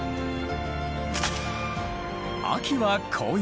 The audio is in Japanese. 秋は紅葉。